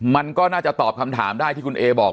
มันก็น่าจะตอบคำถามได้ที่คุณเอบอก